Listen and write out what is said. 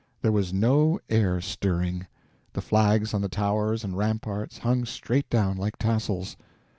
There was no air stirring. The flags on the towers and ramparts hung straight down like tassels.